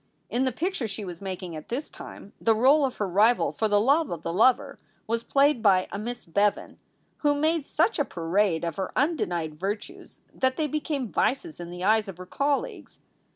In the picture she was making at this time the role of her rival for the love of the lover was played by a Miss Bevan, who made such a parade of her undenied virtues that they became vices in the eyes of her colleagues.